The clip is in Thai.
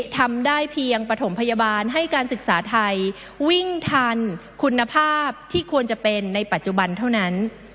ทำได้เพียงปฐมพยาบาลให้การศึกษาไทยวิ่งทันคุณภาพที่ควรจะเป็นในปัจจุบันเท่านั้น